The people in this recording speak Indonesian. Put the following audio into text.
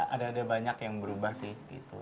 ada ada banyak yang berubah sih gitu